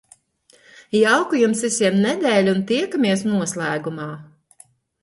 Jauku Jums visiem nedēļu un tiekamies noslēgumā!